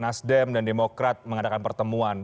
nasdem dan demokrat mengadakan pertemuan